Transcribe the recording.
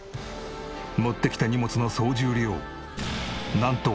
持ってきた荷物の総重量なんと